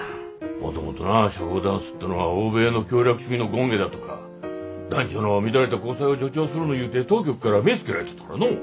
もともとな社交ダンスってのは欧米の享楽主義の権化だとか男女の乱れた交際を助長するのいうて当局から目ぇつけられとったからのお。